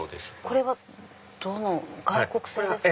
これは外国製ですか？